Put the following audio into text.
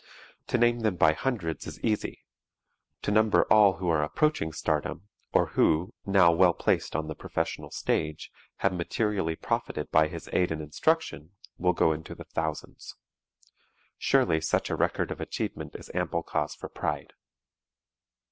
To name them by hundreds is easy; to number all who are approaching stardom or who, now well placed on the professional stage, have materially profited by his aid and instruction, will go into the thousands. Surely such a record of achievement is ample cause for pride.